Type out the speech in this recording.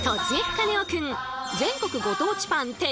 カネオくん」。